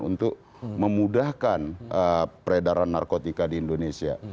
untuk memudahkan peredaran narkotika di indonesia